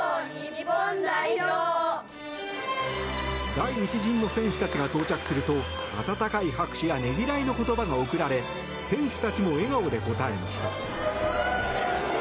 第１陣の選手たちが到着すると温かい拍手やねぎらいの言葉が送られ選手たちも笑顔で応えました。